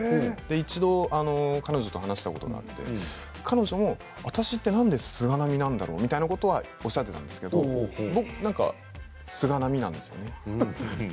一度話したことがあって彼女も、私ってなんで菅波なんだろう？とおっしゃっていたんですけれど僕だけ菅波なんですよね。